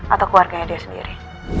atau keluarganya dia sendiri